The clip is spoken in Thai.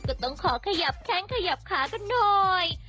ก็ต้องขอขยับแข้งขยับขากันหน่อย